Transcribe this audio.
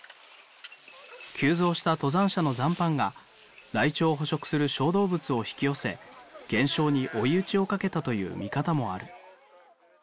急増した登山者の残飯がライチョウを捕食する小動物を引き寄せ減少に追い打ちをかけたという見方もある。